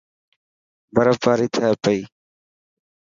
برف باري ٿي پئي.